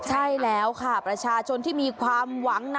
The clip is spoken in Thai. ใช่แล้วค่ะประชาชนที่มีความหวังนะ